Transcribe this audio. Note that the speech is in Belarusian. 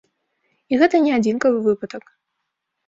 І гэта не адзінкавы выпадак.